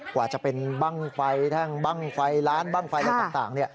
กว่าจะเป็นบ้างไฟแท่งบ้างไฟล้านบ้างไฟอะไรต่าง